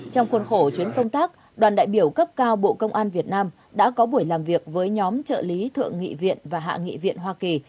trong khuôn khổ chuyến công tác đoàn đại biểu cấp cao bộ công an việt nam đã có buổi làm việc với nhóm trợ lý thượng nghị viện và hạ nghị viện hoa kỳ